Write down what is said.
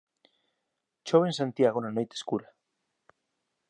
Chove en Santiago na noite escura